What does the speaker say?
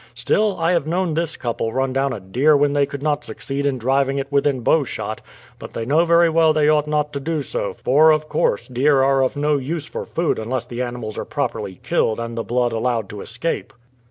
Still I have known this couple run down a deer when they could not succeed in driving it within bowshot; but they know very well they ought not to do so, for, of course, deer are of no use for food unless the animals are properly killed and the blood allowed to escape."